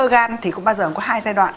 sơ gan thì cũng bao giờ có hai giai đoạn